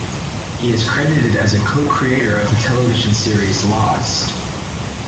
He is credited as a co-creator of the television series "Lost".